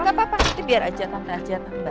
gak apa apa nanti biar aja tanda tanda